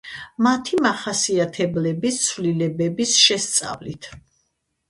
მათი მახასიათებლების ცვლილებების შესწავლით.